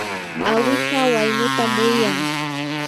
awicha waynutam wiyan.